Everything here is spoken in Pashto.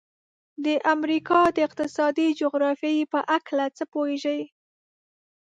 د امریکا د اقتصادي جغرافیې په هلکه څه پوهیږئ؟